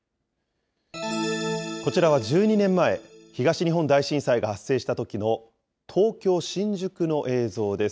こちらは１２年前、東日本大震災が発生したときの東京・新宿の映像です。